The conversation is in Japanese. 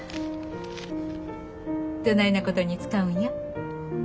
どないなことに使うんや？